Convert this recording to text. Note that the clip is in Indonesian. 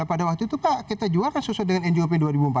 pada waktu itu pak kita jual kan sesuai dengan njop